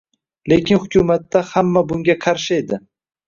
Lekin hukumatda hamma bunga qarshi edi